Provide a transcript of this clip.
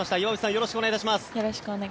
よろしくお願いします。